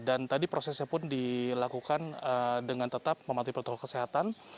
dan tadi prosesnya pun dilakukan dengan tetap mematuhi protokol kesehatan